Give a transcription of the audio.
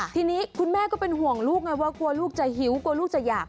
ทีนี้คุณแม่ก็เป็นห่วงลูกไงว่ากลัวลูกจะหิวกลัวลูกจะอยาก